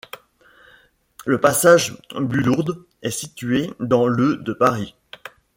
Le passage Bullourde est situé dans le de Paris.